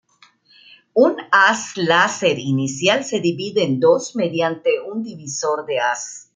Un haz láser inicial se divide en dos mediante un divisor de haz.